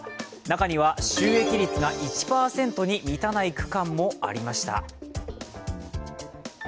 中には収益率が１％に満たない区間もありました。